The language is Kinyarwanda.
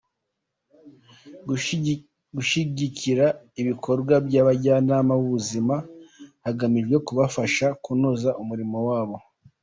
Gushyigikira ibikorwa by’Abajyanama b’ubuzima hagamijwe kubafasha kunoza umurimo wabo;.